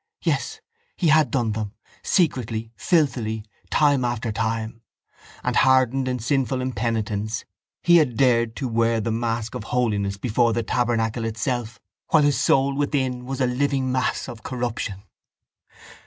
Yes, he had done them, secretly, filthily, time after time, and, hardened in sinful impenitence, he had dared to wear the mask of holiness before the tabernacle itself while his soul within was a living mass of corruption.